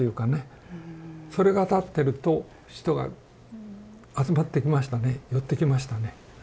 それが立ってると人が集まってきましたね寄ってきましたね。